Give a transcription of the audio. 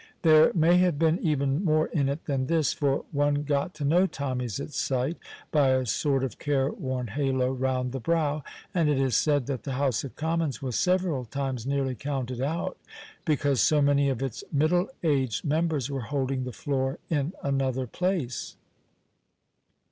There may have been even more in it than this, for one got to know Tommies at sight by a sort of careworn halo round the brow, and it is said that the House of Commons was several times nearly counted out because so many of its middle aged members were holding the floor in another place.